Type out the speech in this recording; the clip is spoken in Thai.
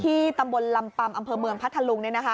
ตำบลลำปัมอำเภอเมืองพัทธลุง